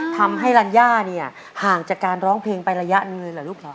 ทำให้ลัญญาห่างจากการร้องเพลงไประยะนึงเลยเหรอลูกหรอ